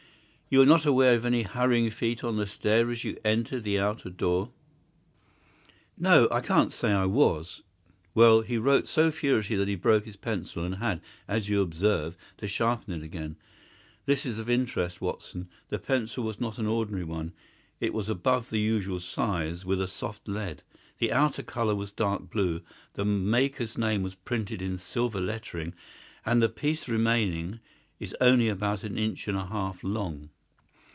You were not aware of any hurrying feet on the stair as you entered the outer door?" "No, I can't say I was." "Well, he wrote so furiously that he broke his pencil, and had, as you observe, to sharpen it again. This is of interest, Watson. The pencil was not an ordinary one. It was above the usual size, with a soft lead; the outer colour was dark blue, the maker's name was printed in silver lettering, and the piece remaining is only about an inch and a half long.